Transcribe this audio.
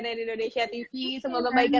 dan indonesia tv semoga mbak ika